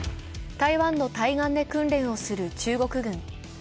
台湾の対岸で訓練をする中国軍。